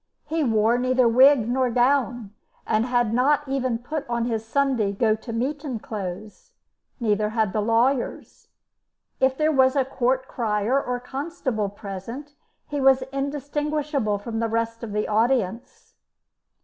He wore neither wig nor gown, and had not even put on his Sunday go to meeting clothes. Neither had the lawyers. If there was a court crier or constable present he was indistinguishable from the rest of the audience.